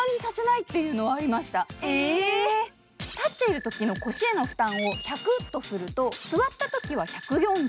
立っているときの腰への負担を１００とすると、座ったときは１４０。